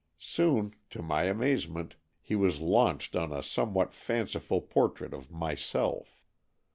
Soon, to my amazement, he was launched on a somewhat fanciful portrait of myself.